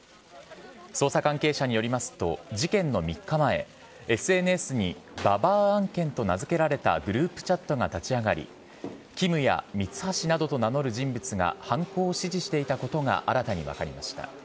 捜査関係者によりますと、事件の３日前、ＳＮＳにババア案件と名付けられたグループチャットが立ち上がり、キムやミツハシなどと名乗る人物が犯行を指示していたことが新たに分かりました。